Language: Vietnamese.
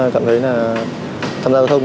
cảm thấy là tham gia giao thông